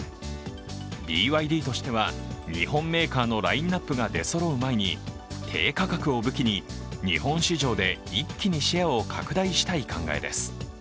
ＢＹＤとしては日本メーカーのラインナップが出そろう前に低価格を武器に日本市場で一気にシェアを拡大したい考えです。